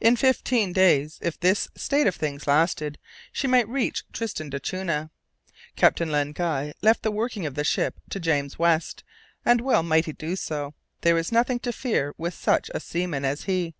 In fifteen days, if this state of things lasted, she might reach Tristan d'Acunha. Captain Len Guy left the working of the ship to James West, and well might he do so; there was nothing to fear with such a seaman as he.